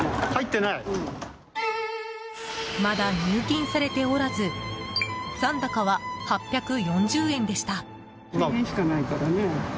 まだ入金されておらず残高は８４０円でした。